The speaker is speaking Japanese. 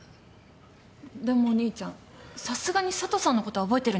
でもお兄ちゃんさすがに佐都さんのことは覚えてるんでしょ？